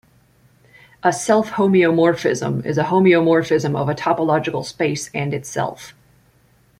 A self-homeomorphism is a homeomorphism of a topological space and itself.